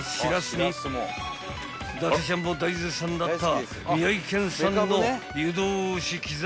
［伊達ちゃんも大絶賛だった］